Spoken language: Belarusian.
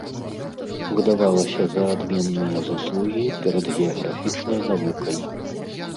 Выдавалася за адменныя заслугі перад геаграфічнай навукай.